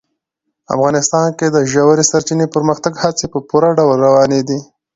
افغانستان کې د ژورې سرچینې د پرمختګ هڅې په پوره ډول روانې دي.